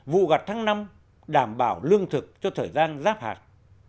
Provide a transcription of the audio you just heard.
vụ gặt tháng năm đảm bảo lương thực cho thời gian giáp hạt